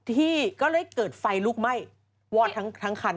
ที่ก็เลยเกิดไฟลุกไหม้วอดทั้งคัน